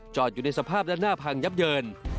อยู่ในสภาพด้านหน้าพังยับเยิน